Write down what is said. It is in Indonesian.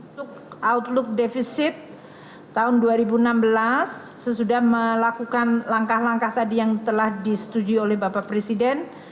untuk outlook defisit tahun dua ribu enam belas sesudah melakukan langkah langkah tadi yang telah disetujui oleh bapak presiden